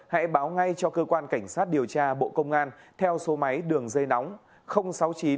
hãy báo ngay cho cơ quan cảnh sát điều tra bộ công an theo số máy đường dây nóng sáu mươi chín hai trăm ba mươi bốn năm nghìn tám trăm sáu mươi